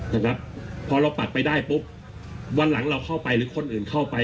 นะครับพอเราปัดไปได้ปุ๊บวันหลังเราเข้าไปหรือคนอื่นเข้าไป